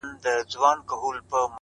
پوهه د ذهن بندې لارې خلاصوي.!